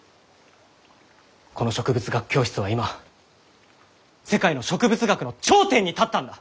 この植物学教室は今世界の植物学の頂点に立ったんだ！